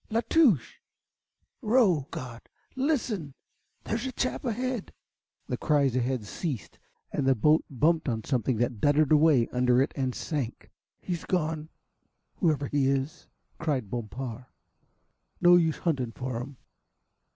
"La Touche Row God! Listen, there's a chap ahead." The cries ahead ceased, and the boat bumped on something that duddered away under it and sank. "He's gone, whoever he is," cried Bompard. "No use hunting for him.